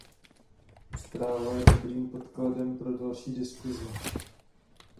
Zpráva je dobrým podkladem pro další diskuse.